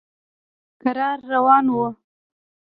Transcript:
کرار روان و.